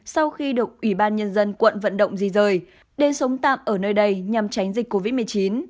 sau khi được ủy ban nhân dân quận vận động di rời đến sống tạm ở nơi đây nhằm tránh dịch covid một mươi chín